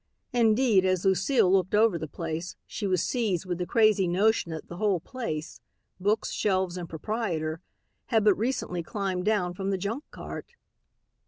Indeed, as Lucile looked over the place she was seized with the crazy notion that the whole place, books, shelves and proprietor, had but recently climbed down from the junk cart.